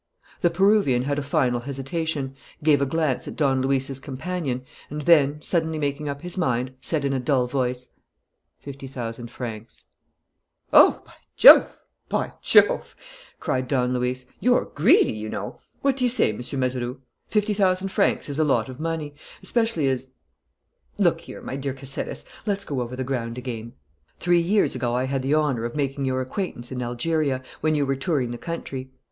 The Peruvian had a final hesitation, gave a glance at Don Luis's companion, and then, suddenly making up his mind, said in a dull voice: "Fifty thousand francs!" "Oh, by Jove, by Jove!" cried Don Luis. "You're greedy, you know! What do you say, M. Mazeroux? Fifty thousand francs is a lot of money. Especially as Look here, my dear Caceres, let's go over the ground again. "Three years ago I had the honour of making your acquaintance in Algeria, when you were touring the country.